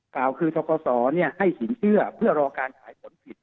กล่าวคือทกศให้สินเชื่อเพื่อรอการขายผลผิด